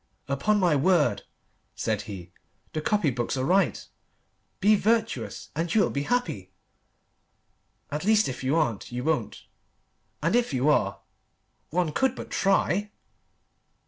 "Upon my word," said he, "the copy books are right 'Be virtuous and you will be happy.' At least if you aren't, you won't. And if you are.... One could but try!"